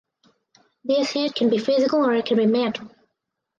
This hit can be physical or it can be mental.